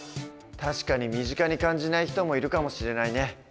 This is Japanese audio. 確かに身近に感じない人もいるかもしれないね。